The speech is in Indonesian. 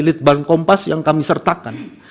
lead bank kompas yang kami sertakan